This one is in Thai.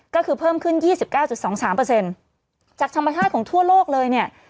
ก็คือเพิ่มขึ้นยี่สิบเก้าจุดสองสามเปอร์เซ็นต์จากธรรมชาติของทั่วโลกเลยเนี้ย